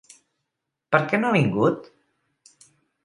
Per què no ha vingut?